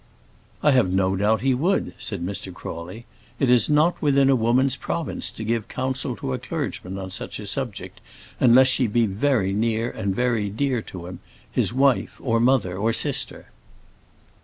"I have no doubt he would," said Mr. Crawley. "It is not within a woman's province to give counsel to a clergyman on such a subject, unless she be very near and very dear to him his wife, or mother, or sister."